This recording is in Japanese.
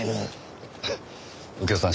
右京さん